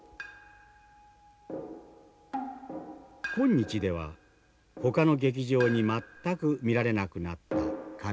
今日ではほかの劇場に全く見られなくなった空井戸。